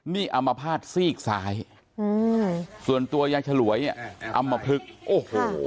นี่อัมพาตซีกซ้ายอืมส่วนตัวยายฉลวยอ่ะอำมพลึกโอ้โห